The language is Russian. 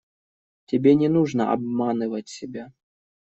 Тебе не нужно обманывать себя.